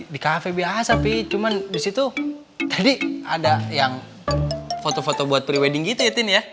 di kafe biasa sih cuman disitu tadi ada yang foto foto buat pre wedding gitu ya tin ya